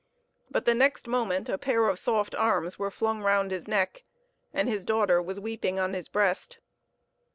But the next moment a pair of soft arms were flung round his neck, and his daughter was weeping on his breast.